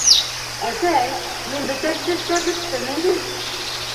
— Әсәй, мин бөтә эште эшләп бөттөм инде.